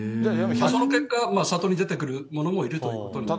その結果、里に出てくるものもいるということになります。